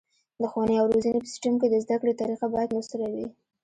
د ښوونې او روزنې په سیستم کې د زده کړې طریقه باید مؤثره وي.